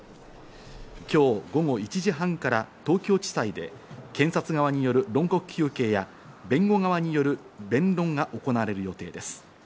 今日午後１時半から東京地裁で検察側による論告求刑や弁護側による弁論が行われる予定です。